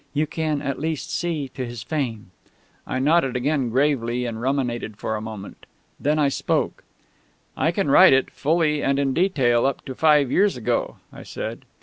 You can, at least, see to his fame." I nodded again gravely, and ruminated for a moment. Then I spoke. "I can write it, fully and in detail, up to five years ago," I said.